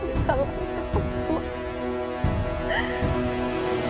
bunda jaga kesehatan bunda